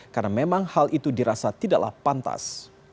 karena memang hal itu dirasa tidaklah pantas